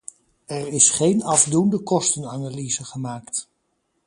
Er is geen afdoende kostenanalyse gemaakt.